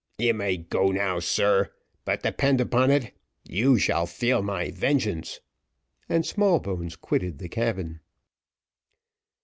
"You may go now, sir, but depend upon it you shall feel my vengeance!" and Smallbones quitted the cabin.